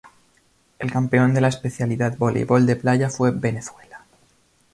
El campeón de la especialidad Voleibol de playa fue Venezuela.